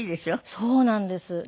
そうなんです。